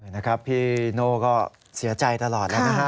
นะครับพี่โน่ก็เสียใจตลอดแล้วนะฮะ